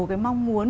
cái mong muốn